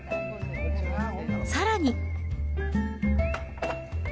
さらに。